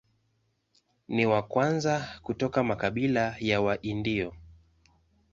Ni wa kwanza kutoka makabila ya Waindio.